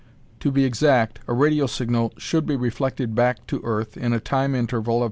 To be exact, a radio signal should be reflected back to earth in a time interval of 2.